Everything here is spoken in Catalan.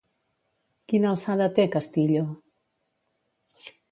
Quina alçada té, Castillo?